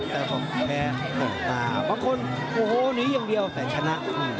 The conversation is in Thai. แต่ผมแพ้ตบตาบางคนโอ้โหหนีอย่างเดียวแต่ชนะ